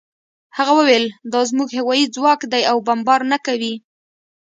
هغه وویل دا زموږ هوايي ځواک دی او بمبار نه کوي